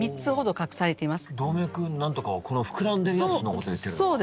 動脈なんとかはこの膨らんでるやつのことを言ってるのか？